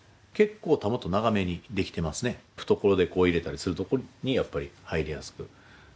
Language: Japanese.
懐手こう入れたりするところにやっぱり入りやすくなるように常々。